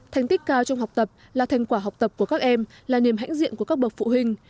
thành tích cao trong học tập là thành quả học tập của các em là niềm hãnh diện của các bậc phụ huynh